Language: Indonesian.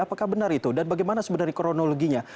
apakah benar itu dan bagaimana sebenarnya kronologinya